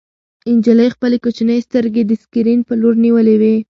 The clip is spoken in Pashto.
نجلۍ خپلې کوچنۍ سترګې د سکرین په لور نیولې وې.